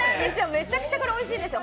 めちゃくちゃこれ、おいしいですよ